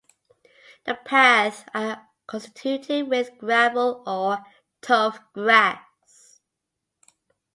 The paths are constituted with gravel or turf grass.